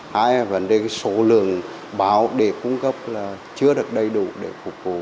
hai vấn đề số lượng báo để cung cấp là chưa được đầy đủ để phục vụ